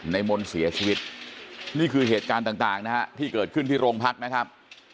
มนต์เสียชีวิตนี่คือเหตุการณ์ต่างนะฮะที่เกิดขึ้นที่โรงพักนะครับ